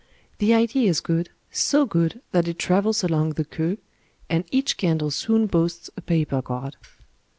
The idea is good, so good that it travels along the queue^ and each candle soon boasts a paper guard.